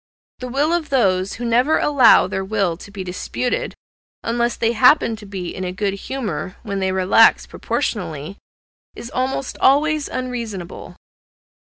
The will of those who never allow their will to be disputed, unless they happen to be in a good humour, when they relax proportionally, is almost always unreasonable.